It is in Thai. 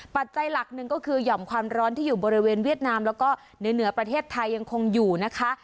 ปัจจัยหลักหนึ่งก็คือหย่อมความร้อนที่อยู่บริเวณเวียดนามแล้วก็เหนือประเทศไทยยังคงอยู่นะคะ